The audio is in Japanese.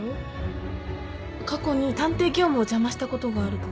過去に探偵業務を邪魔したことがあるとか？